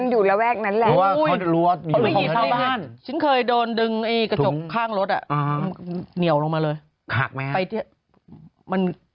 แต่ลูกต้อมอาจจะ